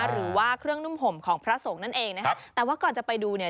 หรือว่าเครื่องนุ่มห่มของพระสงฆ์นั่นเองนะคะแต่ว่าก่อนจะไปดูเนี่ย